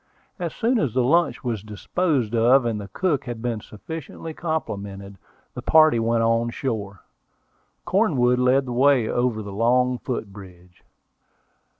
As soon as the lunch was disposed of, and the cook had been sufficiently complimented, the party went on shore. Cornwood led the way over the long foot bridge.